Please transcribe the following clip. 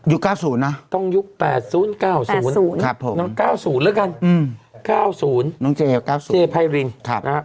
ยุค๙๐นะต้องยุค๘๐๙๐ครับผม๙๐แล้วกัน๙๐น้องเจเฮีย๙๐เจภัยรินครับ